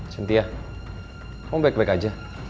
cynthia kamu baik baik aja